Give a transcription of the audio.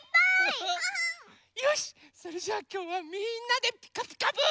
よしそれじゃあきょうはみんなで「ピカピカブ！」。